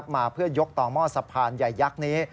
มาเพื่อยกต่อหม้อสะพานใหญ่ยักษ์นี้